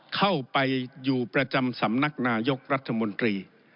เข้าไปอยู่ประจำสำนักนายกรัฐมนตรี